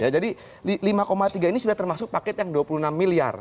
jadi lima tiga ini sudah termasuk paket yang dua puluh enam miliar